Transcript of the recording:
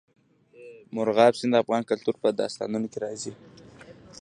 مورغاب سیند د افغان کلتور په داستانونو کې راځي.